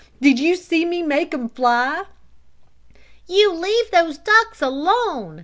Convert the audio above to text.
Did you see me make 'em fly!" "You leave those ducks alone!"